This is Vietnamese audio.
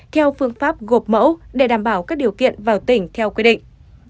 theo phương pháp gộp mẫu để đảm bảo các điều kiện vào tỉnh theo quy định